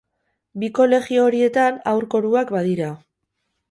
Bi kolegio horietan haur koruak badira.